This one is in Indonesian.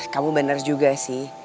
kamu bener juga sih